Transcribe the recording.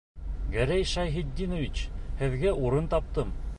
Гәрәй Шәйхетдинович, һеҙгә урын таптым.